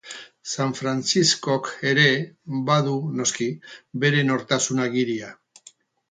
San Frantziskok ere badu, noski, bere nortasun ageria.